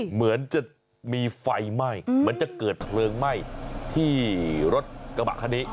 เหมือนจะมีไฟไหม้เหมือนจะเกิดเพลิงไหม้ที่รถกระบะคันนี้